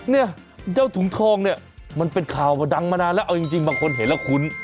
เนี่ยเจ้าถุงทองเนี่ยมันเป็นข่าวดังมานานแล้วเอาจริงบางคนเห็นแล้วคุ้น